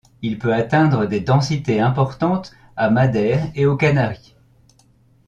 Il peut atteindre des densités importantes à Madère et aux Canaries.